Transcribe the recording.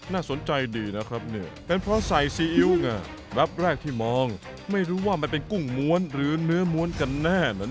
น่าสนใจดีนะครับเนี่ยเป็นเพราะใส่ซีอิ๊วไงรับแรกที่มองไม่รู้ว่ามันเป็นกุ้งม้วนหรือเนื้อม้วนกันแน่นั้น